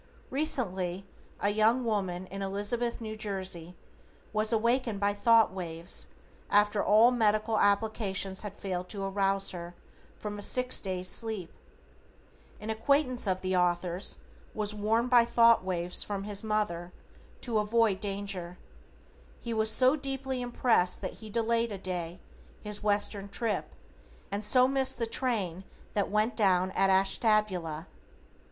Recently a young woman, in Elizabeth, N.J. was awakened by thought waves after all medical applications had failed to arouse her from a six days' sleep. An acquaintance of the author's was warned by wave thoughts from his mother to avoid danger. He was so deeply impressed that he delayed a day, his western trip, and so missed the train that went down at Ashtabula.